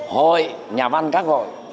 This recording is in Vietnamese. hội nhà văn các hội